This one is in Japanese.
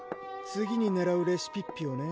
次にねらうレシピッピをね